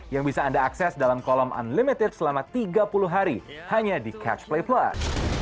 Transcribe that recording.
yang bisa anda akses dalam kolom unlimited selama tiga puluh hari hanya di catch play plus